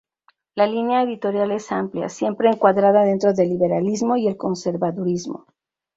La línea editorial es amplia, siempre encuadrada dentro del liberalismo y el conservadurismo.